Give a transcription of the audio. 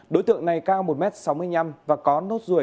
đối tượng này cao một m sáu mươi năm và có nốt ruồi